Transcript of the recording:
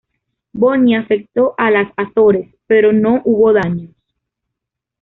Bonnie afectó a las Azores pero no hubo daños.